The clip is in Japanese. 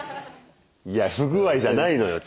いや不具合じゃないのよ。